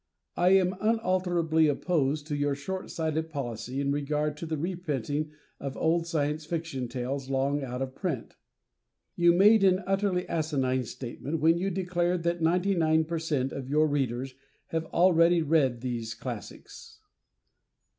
I am unalterably opposed to your short sighted policy in regard to the reprinting of old Science Fiction tales long out of print. You made an utterly asinine statement when you declared that 99 per cent of your readers have already read these classics.